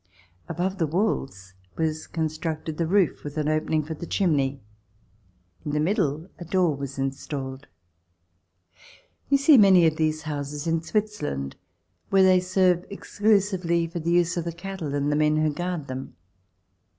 Above the walls was constructed the roof, with an opening for the chimney. In the middle a door was installed. You see many of these houses in Switzerland where they serve exclusively for the use of the cattle and the men who guard them.